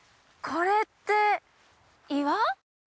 これって岩？